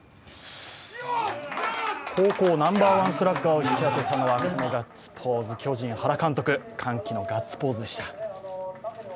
高校ナンバーワンスラッガーを引き当てたのはこのガッツポーズ巨人・原監督、歓喜のガッツポーズでした。